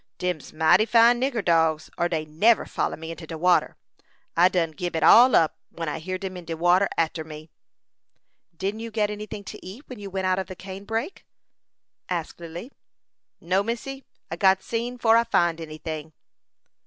Dem's mighty fine nigger dogs, or dey never follor me into de water. I done gib it all up when I hear dem in de water arter me." "Did you get any thing to eat when you went out of the cane brake," asked Lily. "No, missy; I got seen 'fore I find any ting."